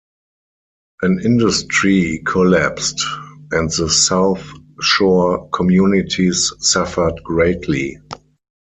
An industry collapsed, and the South Shore communities suffered greatly.